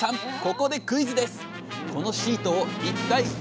ここでクイズです！